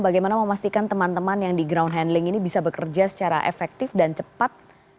bagaimana memastikan teman teman yang di ground handling ini bisa bekerja secara efektif dan cepat